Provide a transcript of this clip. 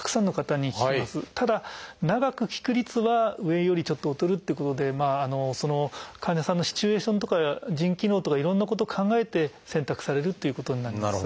ただ長く効く率は上よりちょっと劣るっていうことで患者さんのシチュエーションとか腎機能とかいろんなこと考えて選択されるということになります。